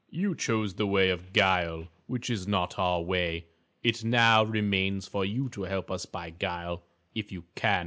"You chose the way of guile, which is not our way. It now remains for you to help us by guile, if you can.